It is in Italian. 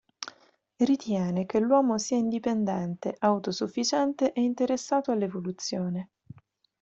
Ritiene che l’uomo sia indipendente, autosufficiente e interessato all’evoluzione.